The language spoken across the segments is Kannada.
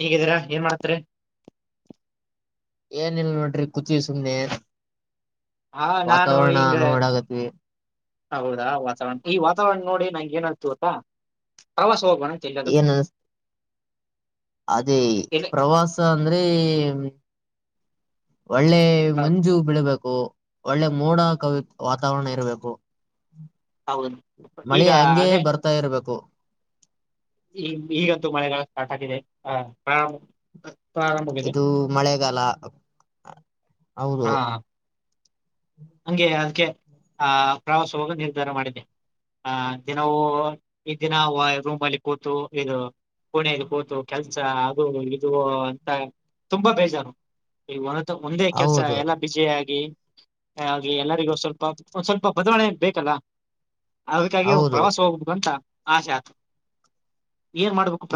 ಹೇಗಿದ್ದೀರಾ ಏಮತ್ರ ಏನ ಇಲ್ಲ ನೋಡ್ರಿ ಕುತಿಯ ಸುಮ್ನೆೆನ್ ಹಾ ನಾನು ವಾತಾವರಣ ಹಿಂಗ ನೋಡಾಗದ್ವಿ ಹೌದಾ ವಾತಾವರಣ ಈ ವಾತಾವರಣ ನೋಡಿ ನಂಗೆ ಏನ್ತು ಗಟಾ ಪ್ರವಾಸ ಸೋೋಗಣ ಚಲ್ಲದು ಏನ್ ಅನ್ಸ್ ಅದೇ ಪ್ರವಾಸ ಅಂದ್ರೆ ಒಳ್ಳೆ ಹ, ಮಂಜು ಬೀಳಬೇಕು ಒಳ್ಳೆ ಮೋಡ ಕವಿ ವಾತಾವರಣ ಇರ್ಬೇಕು ಹೌದು [inaudible] ಮಳೆ ಈಗ ಹಂಗೆ ಅದೇ ಬರ್ತಾ ಇರ್ಬೇಕು ಈ ಈಗಂತೂ ಮಳೆಗಾಲ ಸ್ಟಾರ್ಟ್ ಆಾಗಿದೆ ಹ ಇದು ಮಳೆಗಾಲ ಹೌದು ಹಾ ಹಂಗೆ ಅದಕ್ಕೆ ಆ ಪ್ರವಾಸ ಹೋಗ ನಿರ್ಧಾರ ಮಾಡಿದೆ ಹ ದಿನವು ಈ ದಿನ ರೂಮ್ ಅಲ್ಲಿ ಕೂತು ಇದು ಕೋಣೆದು ಕೂತು ಕೆಲ್ಸ ಅದು ಇದು ಅಂತ ತುಂಬಾ ಬೇಜಾರು ಈ ಒ ಒಂದೇ ಕೆಲ್ಸ ಹೌದು ಎಲ್ಲಾ ಬಿಜಿ ಆಗಿ ಹಾಗೆ ಎಲ್ಲರಿಗೂ ಸ್ವಲ್ಪ ಸ್ವಲ್ಪ ಬದಲಣೆ ಬೇಕಲ್ಲ ಅದಕ್ಕಾಗಿ ಹೌದು ಪ್ರವಾಸ ಹೋಗ್ಬೇಕದು ಅಂತ ಆಸೆ ಆತದೆ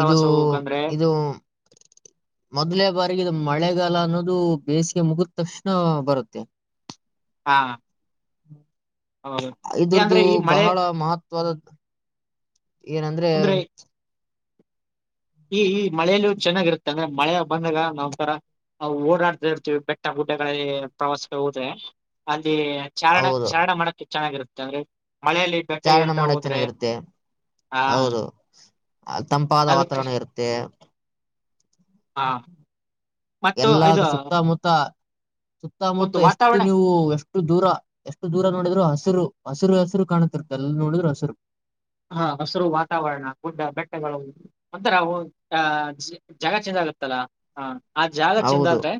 ಇದು ಇದು ಮೊದಲೇ ಬಾರಿಗೆ ಇದು ಮಳೆಗಾಲ ಅನ್ನೋದು ದು ಬೇಸಿಗೆ ಮುಗಿದ ತಕ್ಷಣ ಬರುತ್ತೆ ಹಾ ಹೌದು ಏ ಇದ್ರ್ದು ಅಂದ್ರೆ ಈ ಮಳೆ ಬಹಳ ಮಹತ್ತ್ ತವ ಏನಂದ್ರೆ ಅಂದ್ರೆ ಈ ಈ ಮಳೇಲ್ಲ ಚೆನ್ನಾಗಿರುತ್ತೆ ಅಂದ್ರೆ ಮಳೆ ಬಂದಾಗ ನಾವ ತರ ಓಡಾಡ್ತಾ ಇರ್ತೀವಿ ಬೆಟ್ಟ ಗುಡ್ಡೆ ಪ್ರವಾಸಕ್ಕೆ ಹೋದ್ರೆ ಅ ಇಲ್ಲಿ ಚ ಹೌದು ಚಾರಣ ಮಾಡಕ್ಕೆ ಚೆನ್ನಾಗಿರುತ್ತೆ ಅಂದ್ರೆ ಮಳೆಯಲ್ಲಿ ಬೆಟ್ಟ ಚಾರಣ ಇಏರ್ತಾ ಮಾಡಕ್ ಹೋದ್ರೆ ಚೆನ್ನಾಗಿರುತ್ತೆ ಹಾ ಹೌದು ತಂಪಾದ ಅದಕ್ಕ ವಾತಾವರಣ ಇರುತ್ತೆ ಹಾ ಮತ್ತು ಎಲ್ಲ ಇದು ಸುತ್ತಮುತ್ತ ಒಂದು ಸುತ್ತಮುತ್ತ ಎಷ್ಟು ವಾತಾವರಣ ನೀವು ಎಷ್ಟು ಎಷ್ಟು ದೂರ ಎಷ್ಟು ದೂರ ನೋಡಿದ್ರು ಹಸಿರು ಹಸಿರು ಹೆಸರು ಕಾಣುತ್ತಿರುತ್ತ ಎಲ್ಲ ನೋಡಿದ್ರು ಹಸಿರು ಹಾ ಹಸರು ವಾತಾವರಣ ಗುಡ್ಡ ಬೆಟ್ಟಗಳು ಒಂತರ ಜಗ ಚಂದ ಲ್ಲ ಹ ಆ ಜಾಗ ಹೌದು ಚೆಂದಾದ್ರೆ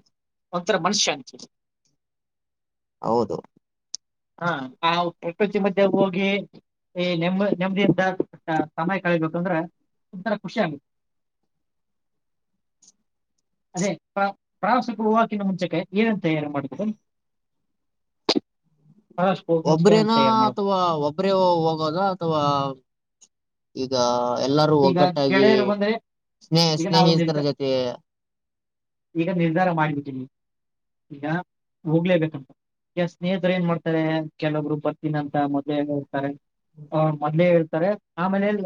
ಒಂಥರ ಮನುಷ್ಯಂತ ಹೌದು ಹಾ ಆ ಪ್ರಕೃತಿ ಮಧ್ಯೆ ಹೋಗಿ ಈ ನೆಮ್ಮ್ ನೆಮ್ದಿಿಂದ ಸಮಯ ಕಳಬೇಕು ಅಂದ್ರೆ ತುಂಬ ತರ ಖುಷಿ ಆಗ ಹ ಅದೇ ಪ್ರ ಪ್ರವಾಸಗಳು ಹೂಾಕಿನ ಮುಂಚಕ ಏನನ್ ತಯಾರಿ ಮಾಡಿದರಿ [inaudible] ಒಬ್ರೇನಾ ಅಥವಾ ಒಬ್ರೇ ಹೋಗೋದ ಅಥವಾ ಇದಾ ಎಲ್ಲರೂ ಈಗ ಒಗ್ಗಟ್ಟಾಗಿ ಗೆಳೆಯರು ಬಂದ್ರೆ ಸ್ನೇಹ ಈಗ ನಾವು ಸ್ನೇಹಿತರ ನಿರ್ಧ ಜೊತೆ ಈಗ ನಿರ್ಧಾರ ಮಾಡ್ಬಿಟ್ಟೀನಿ ಈಗ ಹೋಗ್ಲೇಬೇಕಂತ ಯ ಸ್ನೇಹಿತರು ಏನ್ ಮಾಡ್ತಾರೆ ಕೆಲವೊಬ್ರು ಬರ್ತೀನಂತ ಮೊದ್ಲೇ ಹರ್ತಾರೆ ಹ ಮೊದ್ಲೇ ಹೇಳ್ತಾರೆ ಆಮೇಲೆ ಎಲ್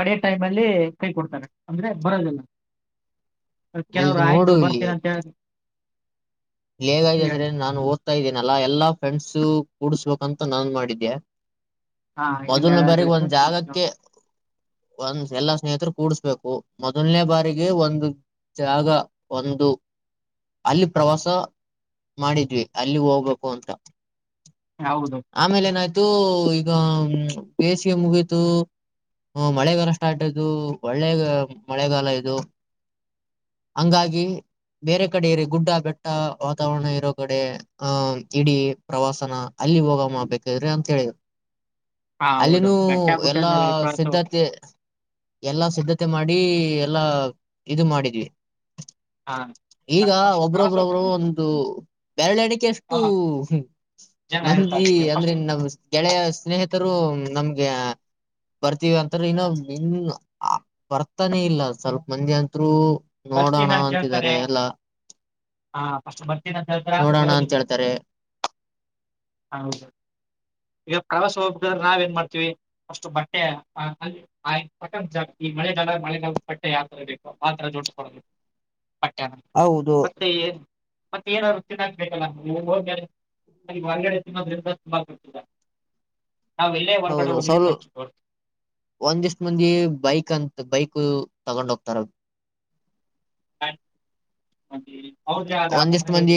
ಕಡೆಯ ಟೈಮ್ ಅಲ್ಲಿ ಕೈ ಕೊಡ್ತಾರೆ ಅಂದ್ರೆ ಬರದಿಲ್ಲ ಈಗ ಕೆಲವ್ರು ನೋಡು ಆಯ್ತು ಬರ್ತೀರ ಅಂತ ಹೇಳ ಇ ಹೇಗಾಯ್ತ ಅಂದ್ರೆ ನಾನು ಓದ್ತಾ ಇದ್ದೇನಲ್ಲಾ ಎಲ್ಲಾ ಫ್ರೆಂಡ್ಸ ಕೂಡ್ಸ್ಬೇಕಂತ ನಾನನ್ ಮಾಡಿದ್ದೆ ಹಾ ಇನ್ನು ಮೊದಲನ ಮೇಳ ಬಾರಗ ಗೆಳೆಯರು ಒಂದು್ ತೋರಿಸ್ತೀವಿ ಜಾಗಕ್ಕೆ ಒಂದ ಎಲ್ಲಾ ಸ್ನೇಹಿತರು ಕೂಡ್ಸ್ಬೇಕು ಮೊದಲನೇ ಬಾರಿಗೆ ಒಂದು ಜಾಗ ಒಂದು ಅಲ್ಲಿ ಪ್ರವಾಸ ಮಾಡಿದ್ವಿ ಅಲ್ಲಿ ಹೋಗ್ಬೇಕು ಅಂತ ಹೌದು ಆಮೇಲೆ ನಾ ಇದು ಈಗ ಬೇಸಿಗೆ ಮುಗಿತು ಹ್ಮ ಮಳೆಗಾಲ ಸ್ಟಾರ್ಟ್ ಆಯದು ಒಳ್ಳೆ ಮಳೆಗಾಲ ಇದು ಹಂಗಾಗಿ ಬೇರೆ ಕಡೆ ರ ಗುಡ್ಡ ಬೆಟ್ಟ ವಾತಾವರಣ ಇರೋ ಕಡೆ ಅಹ ಇಡೀ ಪ್ರವಾಸನ ಅಲ್ಲಿ ಹೋಗ ಮಾಡ್ಬೇಕಾದ್ರಿ ಅಂತ ಹೇಳಿದರು ಹಾ ಹೌದು ಅಲ್ಲಿನೂ ಬೆಟ್ಟ ಎಲ್ಲಾ ಗುಡ್ಡದ ಪ್ರವಾಸ ಹೋಗ್- ಸಿದ್ಧಾರ್ಥ ಎಲ್ಲಾ ಸಿದ್ಧತೆ ಮಾಡಿ ಎಲ್ಲಾ ಇದು ಮಾಡಿದ್ವಿ ಹಾ ಈಗ ಫಸ್ಟ್ ಪ್ರವಾಸ ಒಬ್ರೊಬ್ರೊಬ್ರು ಒ ಹೋಗ್- ಇದು ಬೆರಳ ಎಡಿಕೆ ಅಷ್ಟು ಹಾ, ಹ್ಮ ಜನ ಮಂದಿ ಇರ್ತಾರೆ ಅಂದ್ರೆ ಫಸ್ಟ್ ನಮ್ಮ ಗೆಳೆಯ ಸ್ನೇಹ ರು ನಮ್ಗೆ ಬರ್ತೀವಿ ಅಂತರು ಇನ್ನು ಇನ್ನು ಆ ಬರ್ತಾನೆ ಇಲ್ಲ ಸ್ವಲ್ಪ ಮಂದಿ ಅತ್ರು ಸ್ಿನಂತ ಹೇಳ್ತಾರೆ ಹಾ ಅಷ್ಟು ಬರ್ತೀನಿ ಅಂತ ಹೇಳ್ತಾರೆ ಅ ನೋಡೋಣ ಅಂತ ಬರೋದಿಲ್ಲ ಹೇಳ್ತಾರೆ ಹಾ ಹೌದು ಈಗ ಪ್ರವಾಸ ಹೋಗಾದ್ರೆ ನಾವ್ ಏನ್ ಮಾಡ್ತೀವಿ ಅಷ್ಟು ಬಟ್ಟೆ ಜಾತಿ ಈ ಮಳೆಗಾಲ ಮಳೆ ಪಟ್ಟೆ ಯಾವತರ ಬೇಕು ಆತ್ರರ ಜೋಡ ಹೌ ಪಟ್ಟ ಹೌದು ಮತ್ತುತ್ತೆ ಮತ್ತೆ ಏನಾದ್ರು ಚ ಹಾಕ್ಬೇಕಲ್ಲೋಗ ಅಲ್ಲಿ ಹೊಲ್ಗಡೆ ತಿ [inaudible] ನಿಮಾದ್ರಿಂದ ತುಂಬಾ ಬಡ್ತ ಹೌದು ಸ ಒಂದಸ್ಟ ಮಂದಿ ಬೈಕ್ ಅಂತ ಬೈಕ್ ತಗೊಂಡ ಹೋಗ್ತಾರದು ಹ ಹೆ [inaudible] ಒಂದಿಷ್ಟು ಮಂದಿ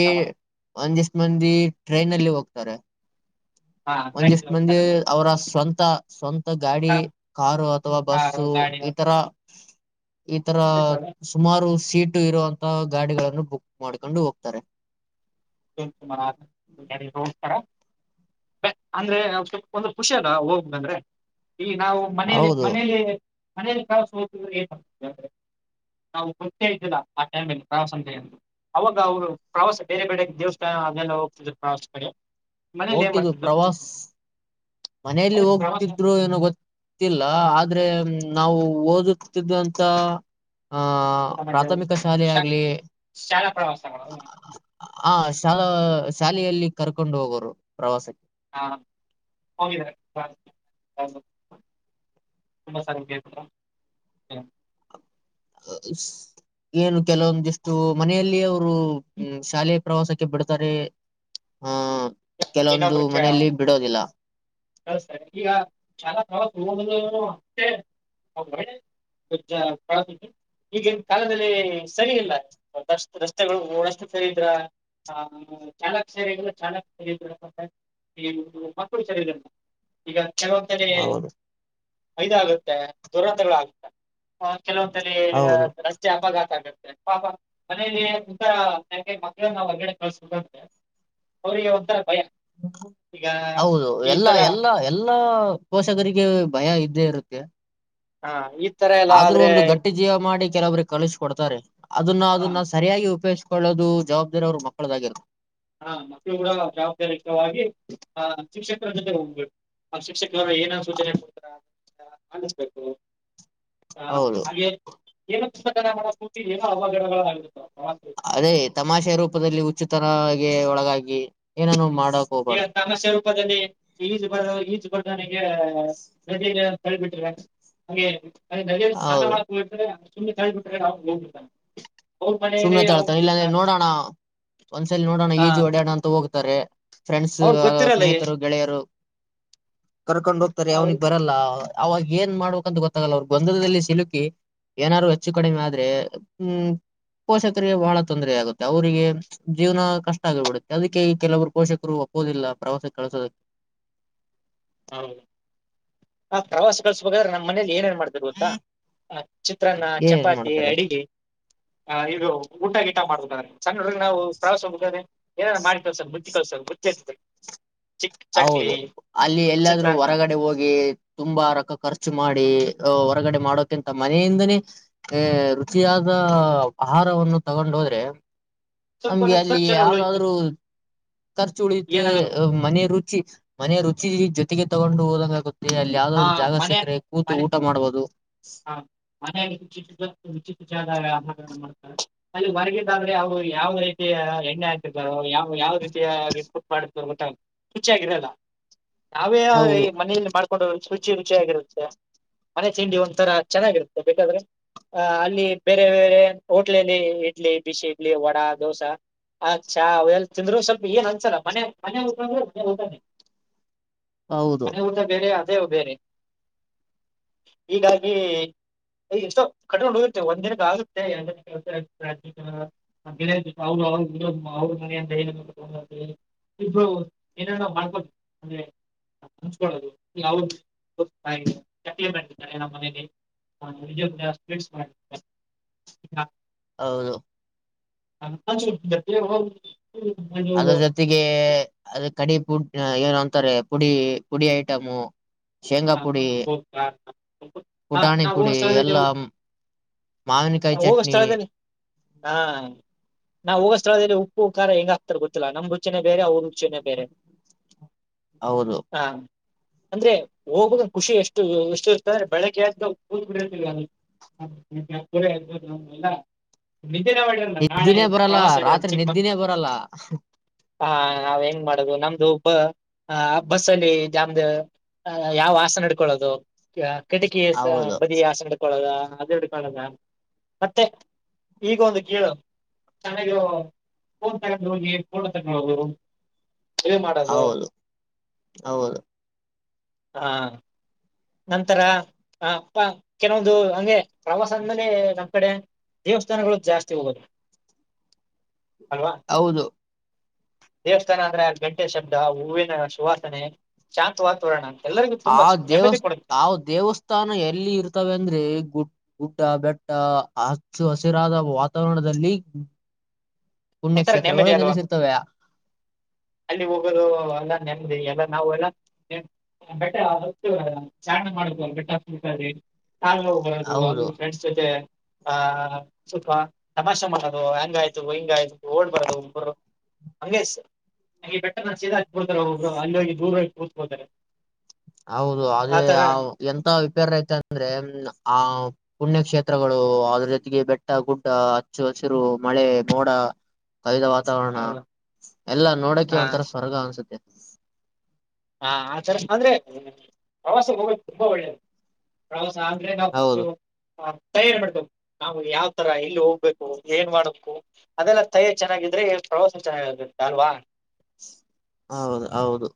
ಒಂದಿಷ್ಟ ಮಂದಿ ಟ್ರೈನ್ ಅಲ್ಲಿ ಹೋಗ್ತಾರೆ ಹಾ ಟ್ರೈನಲ್ಲಿ ಒಂದಿಷ್ಟು ಮಂದಿ ಹೋಗ್ತಾರಲ್ಲಿ ಅವರ ಸ್ವಂತ ಸ್ವಂತ ಗಾಡಿ ಕಾರು ಅಥವಾ ಕಾರು ಬಸ್ಸು ಗಾಡಿ ಈ ತರ ಈ ತರ ಸುಮಾರು ಸೀಟು ಇರುವಂತ ಗಾಡಿಗಳನ್ನು ಬುಕ ಮಾಡ್ಕೊಂಡು ಹೋಗ್ತಾರೆ ತು ಹೋಗ ಅಂದ್ರೆ ಒಂದ್ ಸ್ವಲ್ಲ ಖುಷಿ ಅದ ಹೋಗ್ ಬಂದ್ರೇ. ಈ ನಾವು ಮನೇಲಿ ಹೌದು ಮನೇಲಿ ಮನೇಲಿ ಕಳಸ ಹೋಗದಿದ್ರೆ ಏನ್ದೆ ಅ, ನಾವು ಗೊತ್ತೇ ಇದ್ದಿಲ್ಲ ಆ ಟೈಮಲ್ಲಿ ಪ್ರವಾಸ ಇದೆ ಎಂದು ಅವಾಗ ಅವರು ಪ್ರವಾಸ ಬೇರೆ ಬೇರೆ ದೇವಸ್ಥಾನ ಅದೆಲ್ಲ ಹೋಗ್ತಿದ್ದು ಪಾಸ್ ಪಡೆ. ಹೋಗ್ತಿದ್ದು ಪ್ರವಾಸ್, ಮನೆಯಲ್ಲಿ ಪ್ರವಾಸ ಹೋಗ್ತಿದ್ರು ಏನೋ ಗೊತ್ತಿಲ್ಲ ಆದ್ರೆ. ನಾವು ಓದುತ್ತಿದ್ವಂತ. ಹ ಹಾ ಆಮೇಲೆ ಪ್ರಾಥಮಿಕ ಶಾಲೆ ಶಾ ಆಗಲಿ, ಶಾಲಾ ಪ್ರವಾಸಗಳು ಹ ಶಾಲೆ ಶಾಲೆಯಲ್ಲಿ ಕರ್ಕೊಂಡು ಹೋಗೋರು ಪ್ರವಾಸಕ್ಕೆ. ಹಾ ಹ [unintelligible] ತುಂಬ ಸರಿ ಕೇಳ್ತಿರೋ, ಏನು ತಲೆವೊಂದಿಷ್ಟು ಮನೆಯಲ್ಲಿ ಅವರು ಶಾಲೆ. ಪ್ರವಾಸಕ್ಕೆ ಬಿಡ್ತಾರೆ. ಆ ಕೆಲವೊಂದು ಮನೆಯಲ್ಲಿ ಬಿಡೋದಿಲ್ಲ. ಬಸ್ಸಲ್ಲಿ ಈಗ ಶಾಲಾ ಪ್ರವಾಸ ಹೋಗ್ದಲೇ ಇರೋವ್ರು. ಪಿಜ್ಜಾ [unintelligible] ಈಗಿನ ಕಾಲದಲ್ಲಿ ಸರಿ ಇಲ್ಲ ಬಷ್ಟು ರಸ್ತೆಗಳು ವ್ಯವಸ್ಥೆ ಸರಿ ಇಲ್ಲ. ಹಾ ಚಾಲಕ್ ಸರಿ ಚಾಲ. ಈ ಮಕ್ಕಳು ಸರಿಇಲ್ಲ ಈಗ. ಕೆಲವೊಂದು ಕಡಿ ಹೌದು ಇದಗುತ್ತೆ ದುರಂತ ಗಳು ಆಗುತ್ತೆ ಹಾ. ಕೆಲವೊಂದಲ್ಲಿ ವಿನ ಹೌದು ರಸ್ತೆ ಅಪಘಾತ ಆಗುತ್ತೆ. ಪಾಪ ಮನೇಲಿ ಉಂತನ ಮಕ್ಕಳನ್ನ ನಾ ಹೊರಗಡೆ ಕಳಸದು ಅಂದ್ರೆ. ಎಲ್ಲಿಗೆ ಹೌದು ಈ ಎಲ್ಲಾ ತರ ಎಲ್ಲಾ ಎಲ್ಲಾ ಪೋಷಕರಿಗೆ. ಭಯ ಇದ್ದೇ ಇರುತ್ತೆ. ಹಾ ಇದ್ ಆದ್ರೂ ಒಂದು ಗಟ್ಟಿ ಜೀವ ಮಾಡಿ. ಕೆಲವರಿಗೆ ಕೊಲಿಸ್ ಕೊಡ್ತಾರೆ. ಅದನ್ನ ಹಾ ಅದನ್ನ ಸರಿಯಾಗಿ ಉಪಯೋಗಿಸಿಕೊಳ್ಳೋದು ಜವಾಬ್ದಾರಿ ಅವರು ಮಕ್ಕಳಿಗೆ ಅಣ್ಣ ಮಕ್ಕಳು ಓದೋ ಜವಾಬ್ದಾರಿಕವಾಗಿ ಆ ಶಿಕ್ಷಕರ ಜೊತೆ ಹೋಗ್ಬೇಕು. ಆ ಶಿಕ್ಷಕಕರು ಏನೋ ಸೂಚನೆ ಕೊಡ್ತೀರಾ ಅನಿಸಬೇಕು. ಹ ಹೌದು ಹಾಗೆ ಏನ ಕಿತಾಪತಿ ಮಾಡ ಕುತಿಯೊ ಅವಘಡಗಳು ಆಗಿರುತ್ತೆತೋ ಅದೇ ತಮಾಷೆ ರೂಪದಲ್ಲಿ ಉಚಿತವಾಗಿ ಒಳಗಾಗಿ ಏನಾನೂ ಮಾಡ ಈಗ ತಮಾಷೆ ರೂಪದಲ್ಲಿ ಈಜು ಬರ ಈಜು ಬಂದವನಿಗೆ ಮೊದಲಿಗೆ. ತಲೆಗೆ ಬೀಳ್ತೀರಾ ಹಂಗೆ ನದಿಯಲ್ಲಿ ಸ್ನಾನ ಹೌದು ಮಾಡ್ತೀನಿ ಅಂತೀರಾ. ಸುಮ್ಮ್ಳ್ಬ ಹೋಗ ಸುಮ್ನೆ ತಳ್ತಾರೆ ಇಲ್ಲಾಂದ್ರೆ ನೋಡೋಣ ಒಂದ್ಸಲ ನೋಡೋಣ ಹಾ ಈಜು ಹೊಡ್ಯಾಣ ಅಂತ ಹೋಗ್ತಾರೆ. ಫ್ರೆಂಡ್ಸ್ ಅವ್ರಗ್ ಗೊತ್ತಿರಲ್ಲ ಏ- ಸ್ನೇಹಿತರು ಗೆಳೆಯರು, ಕರ್ಕೊಂಡ ಹೋಗ್ತಾರೆ ಅವನು ಹೌದು ಬರಲ್ಲ ಅವಾಗ ಏನ್ ಮಾಡ್ಬೇಕಂತ ಗೊತ್ತಾಗಲ್ಲ ಅವ್ರ ಗೊಂದದಲ್ಲಿ ಸಿಲುಕಿ. ಏನಾದರೂ ಹೆಚ್ಚು ಕಡಿಮೆ ಆದ್ರೆ, ಹ್ಮ್. ಪೋಷಕರಿಗೆ ಬಹಳ ತೊಂದರೆ ಆಗುತ್ತೆ ಅವರಿಗೆ ಜೀವನ ಕಷ್ಟ ಆಗಿಬಿಡುತ್ತೆ ಅದಕ್ಕೆ ಈ ಕೆಲವರು ಪೋಷಕರು ಒಪ್ಪ ಇಲ್ಲ ಪ್ರವಾಸ್ ಕಳಿಸೋದು. ಆ ಪ್ರವಾಸಕ್ಕೆ ಕಳಿಸಬೇಕಾದ್ರೆ ನಮ್ ಮನೇಲಿ ಏನು. ಪಡೆದಿರುತ ಹ ಚಿತ್ರಾನ್ನ ಏನ್ ಚಪಾತಿ ಮಾಡ್ತಾರೆ ಅಡಿಗೆ, ಆ ಇದು ಊಟ ಗೀಟ ಮಾಡುತ್ತಾರೆ ಸಣ್ಣು ಹುಡುಗರ ಉಪವಾಸವಿದ್ದಾನೇ, ಏನಾನ ಮಾಡಿ [unintelligible] ಚಿಕ್ ಚಕ್ಲಿ ಹೌದು ಅಲ್ಲಿ ಎಲ್ಲಾದ್ರೂ ಚಿತ್ರಾನ್ನ ಹೊರಗಡೆ ಹೋಗಿ. ತುಂಬಾ ರಕ ಖರ್ಚು ಮಾಡಿ ಹೊರಗಡೆ ಮಾಡೋಕ್ಕಿಂತ ಮನೆಯಿಂದನೇ ರುಚಿಯಾಗಿ ಕಾರವನ್ನು ತಗೊಂಡೋದ್ರೆ ಸ್ವಲ್ಪ ನಮ್ಗೆ ಸ್ವಲ್ಪ ಅಲ್ಲಿ ಖರ್ಚೆಲ್ಲ ಉಳಿಯುತ್ತೆ ಯಾವದಾದ್ರು. ಖರ್ಚು ಉಳಿಯಿತೆ ಏನಾದ್ರು ಮನೆ ರುಚಿ ಮನೆ ರುಚಿ ಜೊ ತಿಗೆ ತಗೊಂಡು ಹೋದಂಗ ಆಗುತ್ತೆ ಅಲ್ಲಿ ಆ ಯಾವ್ದಾದ್ರರು ಜಾಗ ಸಿಕ್ಕ್ರೆ ಕೂತು ಊಟ ಮಾಡ್ಬಹುದು. ಹಾ ಮನೆ ನನಗೆ ಹೊರಗದಾದ್ರೆ ಅವರು ಯಾವ ರೀತಿಯ ಎಣ್ಣೆ ಹಾತತಾರೋ ಯಾವ ಯಾವ ರೀತಿಯಾಗಿ ಕುಕ್ ಮಾಡಿರ್ತಾರೋ ಗೊತ್ತಿಲ್ಲ ರುಚಿಯಾಗಿರ್ಬೇಕು ನಾವೇ ಈ ಹೌದು ಮನೆಯಲ್ಲಿ ಮಾಡ್ಕೊಂಡು ರುಚಿ ರುಚಿಯಾಗಿರುತ್ತೆ ಮನೆ ತಿಂಡಿ ಒಂದು ಒಂತರ ಚೆನ್ನಾಗಿರುತ್ತೆ ಬೇಕಾದ್ರೆ ಅ ಅಲ್ಲಿ ಬೇರೆ ಬೇರೆ ಹೋಟ್ಲಲ್ಲಿ ಇಡ್ಲಿ ಬಿಸಿ ಇಡ್ಲಿ ವಡಾ ದೋಸಾ ಚಾ ಅವು ತಿಂದ್ರು ಸ್ವಲ್ಪ ಏನ್ಸಲ್ಲಾ ಮನೆ ಊಟನೂ ಹೌದು ಮನೆ ಊಟನೇ ಬೇರೆ ಅದೇ ಊಟನೂ ಬೇರೆ ಹ್ಮ ಎಷ್ಟೋ ಕಟ್ಟಗೋದು ಹೋಗುತ್ತೆ ಒಂದಿನಕ್ಕೆ ಆಗುತ್ತೆ ಅವರ ಮೆನೆ ಕಡೆಯಿಂದ ಆಗುತ್ತೆ ಇಬ್ರು ಏನೇನು ಮಾಡ್ಬೋದು ಅಂದ್ರೆ ಮುಚಗೊಂಡು ಹೋಗು ಹೌದುಟ್ಟಿದ್ದಾರೆ ನಮ್ಮನೆ ಮಾಡಿರ್ತಾರೆ ಹೌದು ಅನ್ಕೋಡಿದ್ದೆ ಅದ್ರ ಜೊತೆಗೆ ಅದ ಕಡಿ ಪುಡಿ ಏನು ಅಂತರ ಅಂದ್ರೆ ಪುಡಿ ಪುಡಿ ಐಟಮು ಶೇಂಗಾ ಹ ಪುಡಿ ಹ ಪುಟಾಣಿ ನ ಪುಡಿ ಸಾ ಎಲ್ಲಾ ಮಾವಿನಕಾಯಿ ಚಟ್ನಿ ಹೋಗಷ್ಟಳ ಹಾ ನಾವು ಹೋಗೋ ಸ್ಥಳದಲ್ಲಿ ಉಪ್ಪು ಖಾರ ಹೇಗ್ ಆಗ್ತಾರ ಗೊತ್ತಿಲ್ಲ ನಮ್ ರುಚಿನೇ ಬೇರೆ ನಮ್ ರುಚಿನೇ ಬೇರೆ ಅವರ ರುಚಿನೇ ಬೇರೆ ಹೌದು ಹಾ ಅಂದ್ರೆ ಹೋಗುದ ಖುಷಿ ಎಷ್ಟು ಎಷ್ಟು ಇರ್ತ್ರೆ ಅಂದ್ರೆ ಬೆಳಗ್ಗೆ ಎದ್ದು ಬಿರ್ತವಿ ಇಲ್ಲ ನಿದ್ದಿನೇ ಮಾಡಿಲ್ಲ ನಾಳೆ ನಿದ್ದಿನೇ ಬರಲ್ಲ ಪ್ರವಾಸ ಇದೆ ರಾತ್ರಿ ಚಿಕ್ಕಮಂಗಳೂರು ನಿದ್ದಿನೇ ಬರಲ್ಲ ಹಾ ನಾವ ಹೆಂಗ್ ಮಾಡುದು ನಮ್ದು ಬಸ್ಸಲ್ಲಿ ಅ ಯಾವ್ ಆಸನ ಹಿಡಿದುಕೋಳೋದೂ ಕಟಕಿ ಹೌದು ಬದಿ ಆಸನ ಹಿಡುಕೋಳೋದ ಅದು ಇದಿದುಕೋಳೋದ ಮತ್ತೆ ಈಗ ಒಂದು ಕೇಳು ನಾಳೆ ಫೋನ್ ತಗೊಂಡ ಹೋಗಿ ಫೋಟೋ ತೆಕ್ಕೊಳದು ಹೌದು ಹೌದು ಹಾ ನಂತರ ಕೆಲವೊಂದು ಹಂಗೆ ಪ್ರವಾಸ ಆದ್ಮೇಲೆ ನಮ್ಮ್ ಕಡೆ ದೇವಸ್ಥಾನಗಳು ಜಾಸ್ತಿ ಹೋಗೋದು ಅಲ್ವಾ ಹೌದು ದೇವಸ್ಥಾನ ಅಂದ್ರೆ ಗಂಟೆ ಶಬ್ದ ಹೂವಿನ ಸುವಾಸನೆ ಶಾಂತವಗಿರೋದು ಆ ದೇವಸ್ಥಾನ ಎಲ್ಲಿರುತ್ತದೆ ಅಂದ್ರೆ ಊಡ್ಡ ಬೆಟ್ಟ ಹಚ್ಚ ಹಸಿರಾದ ವಾತಾವರಣದಲ್ಲಿ ಒಂಥರ ನೆಮ್ಮದಿ ಪುಣ್ಯಕ್ಷೇತ್ರಗಳು ಅಲ್ವಾ ನೆಲೆಸಿರ್ತವೆ ಅಲ್ಲಿ ಹೋಗೋದು ಎಲ್ಲ ನೆಮ್ಮದಿ ಅಲ್ವಾ ನಾವು ಎಲ್ಲ ಬೆಟ್ಟ ಹತ್ತಿ ಚಾ ಅನಾ ಮಾಡಬೇಕ ಬೆಟ್ಟಕಲ್ಲಿ ನಾಳೆ ಹೋಗದು ಅದು ಹೌದು ಫ್ರೆಂಡ್ಸ್ ಜೊತೆ ಆಹ ಸ್ವಲ್ಪ ತಮಾಷೆ ಮಾಡೋದು ಹೆಂಗಾಯ್ತು ಹಿಂಗಾಯ್ತು ಓಡ್ಬರೋದು ಒಬ್ಬರು ಹಂಗ ಬೆಟ್ಟ ಸದಾಡ್ತಾರೆ ಒಬ್ರು ಅಲ್ಲಿ ಹೋಗಿ ದೂರ ಹೋಗಿ ಕೂರ್ತ್ಕೊತಾರೆ ಹೌದು ಅದೇ ಎಂತ ವಿಪೇರ್ ಆಯ್ತ ಅಂದ್ರೆ ಆ ಪುಣ್ಯಕ್ಷ್ಷೇತ್ರಗಳು ಅದ್ರ ಜೊತೆಗೆ ಬೆಟ್ಟ ಗುಡ್ಡ ಹಚ್ಚು ಹಸಿರು ಮಳೆ ಮೋಡ ಕವಿದ ವಾತಾವರಣ ಹೌದು. ಎಲ್ಲಾ ಹಾ ನೋಡಕ ಒಂಥರ ಸ್ವರ್ಗ ಅನ್ಸುತ್ತೆ ಹ ಆ ತರ ಅಂದ್ರೆ ಪ್ರವಾಸ ತುಂಬಾ ಒಳ್ಳೇದುವ ಅಂದ್ರೆ ನಾವುಷ್ಟು ಹೌದು ತಯಾರಿ ಮಾಡಟ್ಟು ನಾ್ ಯಾವ್ ತರ ಇಲ್ಲಿ ಹೋಗ್ಬೇಕು ಏನ್ ಮಾಡ್ಬೇಕು ಅದೆಲ್ಲ ತಯಿ ಚೆನ್ನಾಗಿದ್ರೆ ಪ್ರವಾಸ ಚೆನ್ನಾಗು ನಲ್ವಾ ಹೌದು ಹೌದು